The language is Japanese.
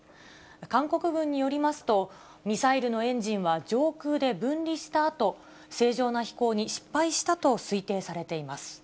韓国軍によりますと、ミサイルのエンジンは上空で分離したあと、正常な飛行に失敗したと推定されています。